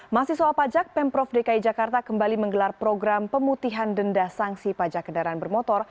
masih soal pajak pemprov dki jakarta kembali menggelar program pemutihan denda sanksi pajak kendaraan bermotor